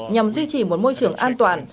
nhằm duy trì một môi trường an toàn